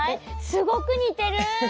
すごくにてる！